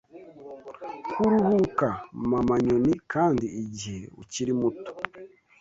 Kuruhuka, Mama-nyoni! kandi igihe ukiri muto